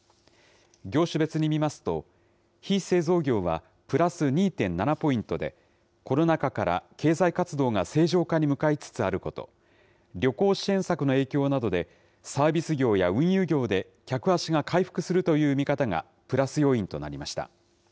業種別に見ますと、非製造業はプラス２．７ポイントで、コロナ禍から経済活動が正常化に向かいつつあること、旅行支援策の影響などで、サービス業や運輸業で客足が回復するという見方がプラス要因となりました。